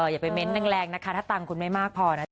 อย่าไปเม้นต์แรงนะคะถ้าตังค์คุณไม่มากพอนะ